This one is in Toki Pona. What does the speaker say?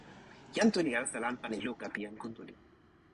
jan Tu li alasa lanpan e luka pi jan Kuntuli.